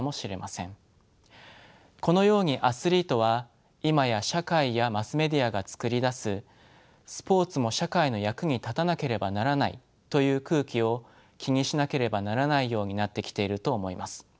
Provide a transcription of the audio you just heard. このようにアスリートは今や社会やマスメディアが作り出す「スポーツも社会の役に立たなければならない」という空気を気にしなければならないようになってきていると思います。